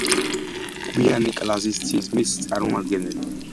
გვიანი კლასიციზმის წარმომადგენელი.